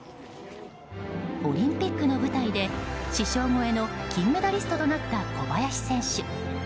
オリンピックの舞台で師匠超えの金メダリストとなった小林選手。